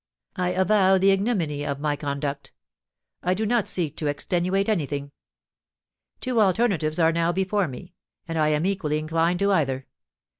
I avow the ignominy of my conduct, I do not seek to extenuate anything. Two alternatives are now before me, and I am equally inclined to either.